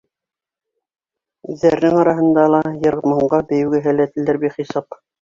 Үҙҙәренең араһында ла йыр-моңға, бейеүгә һәләтлеләр бихисап.